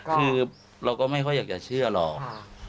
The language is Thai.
คือเราก็ไม่ค่อยอยากจะเชื่อหรอก